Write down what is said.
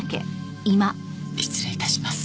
失礼致します。